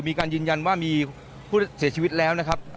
มีการยืนยันว่ามีผู้เสียชีวิตแล้วนะครับ